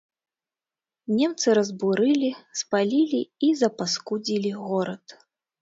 Немцы разбурылі, спалілі і запаскудзілі горад.